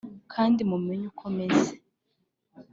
kandi mumenye uko meze: